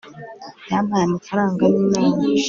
yampaye amafaranga ninama